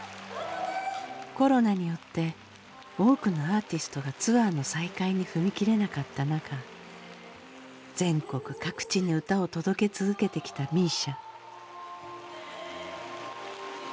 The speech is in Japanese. コロナによって多くのアーティストがツアーの再開に踏み切れなかった中全国各地に歌を届け続けてきたＭＩＳＩＡ。